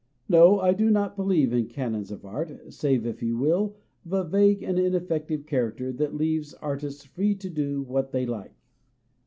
No, I do not believe in canons of art, save, if you will, of a vague and ineffective char acter that leave artists free to do what they like.